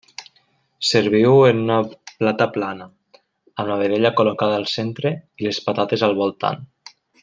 Serviu-ho en una plata plana, amb la vedella col·locada al centre i les patates al voltant.